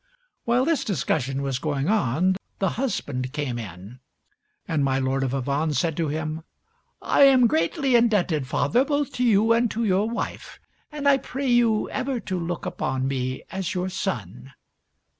While this discussion was going on the husband came in, and my Lord of Avannes said to him "I am greatly indebted, father, both to you and to your wife, and I pray you ever to look upon me as your son."